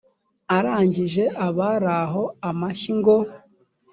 arangije abari aho amashyi ngo